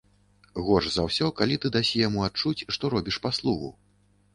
Горш за ўсё, калі ты дасі яму адчуць, што робіш паслугу.